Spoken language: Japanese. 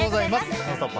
「ノンストップ！」